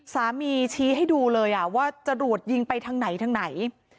สามีชี้ให้ดูเลยว่าจะรวดยิงไปทางไหน